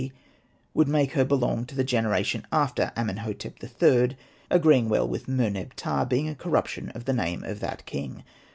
c, would make her belong to the generation after Amenhotep III., agreeing well with Mer.neb. ptah, being a corruption of the name of that king.